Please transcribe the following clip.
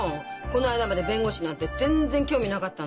この間まで弁護士なんて全然興味なかったんだから。